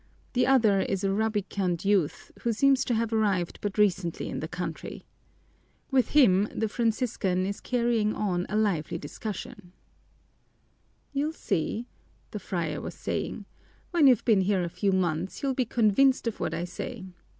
The other is a rubicund youth, who seems to have arrived but recently in the country. With him the Franciscan is carrying on a lively discussion. "You'll see," the friar was saying, "when you've been here a few months you'll be convinced of what I say.